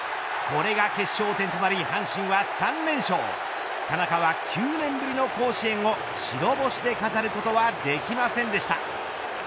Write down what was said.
これが決勝点となり阪神は３連勝田中は９年ぶりの甲子園を白星で飾ることはできませんでした。